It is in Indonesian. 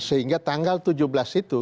sehingga tanggal tujuh belas itu